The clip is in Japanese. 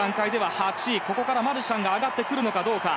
ここからマルシャンが上がってくるかどうか。